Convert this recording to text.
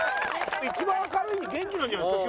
一番明るい元気なんじゃないですか？